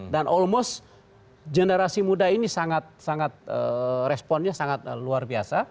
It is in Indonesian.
dan almost generasi muda ini sangat sangat responnya sangat luar biasa